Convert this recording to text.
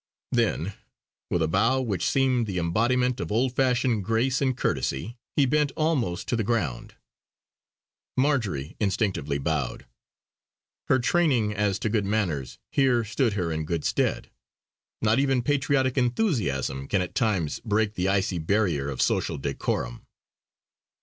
Then, with a bow which seemed the embodiment of old fashioned grace and courtesy, he bent almost to the ground. Marjory instinctively bowed. Her training as to good manners, here stood her in good stead; not even patriotic enthusiasm can at times break the icy barrier of social decorum.